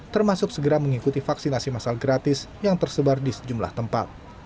termasuk segera mengikuti vaksinasi masal gratis yang tersebar di sejumlah tempat